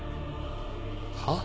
はっ？